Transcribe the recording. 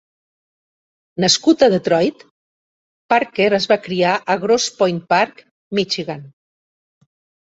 Nascut a Detroit, Parker es va criar a Grosse Pointe Park, Michigan.